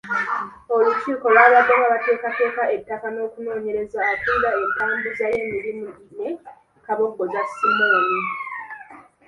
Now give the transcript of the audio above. Olukiiko lwabaddemu abateekateeka ettaka n’okunoonyereza, akulira entambuza y’emirimu ne Kabogoza Simon.